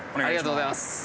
ありがとうございます。